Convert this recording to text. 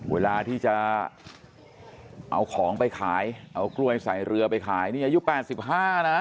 เวลาที่จะเอาของไปขายเอากล้วยใส่เรือไปขายนี่อายุ๘๕นะ